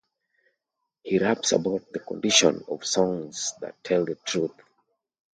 He raps about the condition of songs that tell the truth.